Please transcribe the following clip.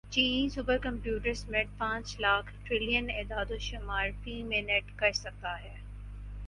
چینی supercomputer summit پانچ lakh trillion اعدادوشمار فی منٹ کر سکتا ہے